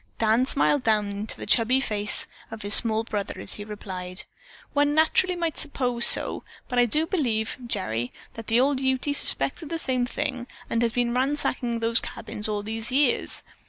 Dan smiled down into the chubby freckled face of his small brother as he replied: "One naturally might suppose so, but I do believe, Gerry, that the old Ute suspected the same thing and has been ransacking those cabins all these years.